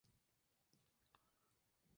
Taylor dirigió el episodio "He aquí un hombre".